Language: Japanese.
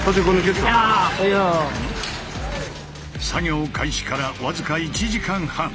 作業開始からわずか１時間半。